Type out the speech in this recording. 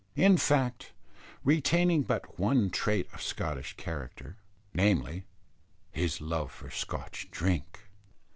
in fact, retaining but one trait of Scottish character, namely his love for Scotch drink.